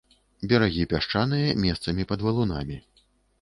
Берагі пясчаныя, месцамі пад валунамі.